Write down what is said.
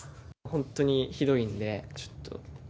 本当にひどいんで、ちょっと。